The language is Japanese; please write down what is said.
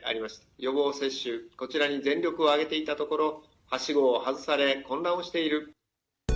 予防接種、こちらに全力を挙げていたところ、はしごを外され、混乱をしている。